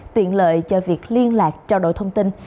tiện lợi cho việc liên lạc trao đổi thông tin